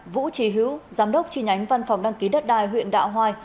vũ trì hữu giám đốc tri nhánh văn phòng đăng ký đất đai huyện đạo hoài